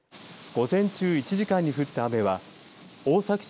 午前中１時間に降った雨は大崎市